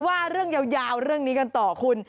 ว่าเรื่องยาวเรื่องนี้กันต่อคุณ